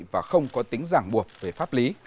và không có tính giảng buộc về pháp lý